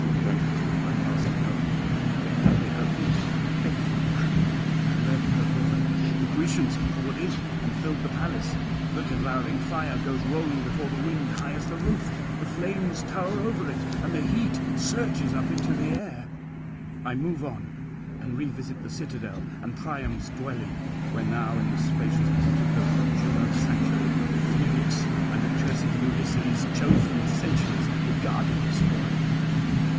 Thence I pass on home, if haply her feet (if haply!) had led her thither. The Grecians had poured in, and filled the palace. The devouring fire goes rolling before the wind high as the roof; the flames tower over it, and the heat surges up into the air. I move on, and revisit the citadel and Priam's dwelling; where now in the spacious porticoes of Juno's sanctuary, Phoenix and accursed Ulysses, chosen sentries, were guarding the spoil.